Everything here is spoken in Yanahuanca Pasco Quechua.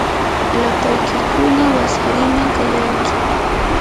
lapaykiykuna wasariman kayanki.